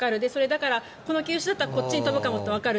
だから、この球種だったらこっちに飛ぶかもってわかる。